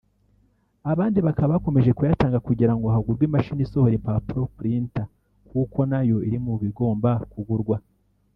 Abandi bakaba bakomeje kuyatanga kugira ngo hagurwe imashini isohora impapuro (printer) kuko na yo iri mu bigomba kugurwa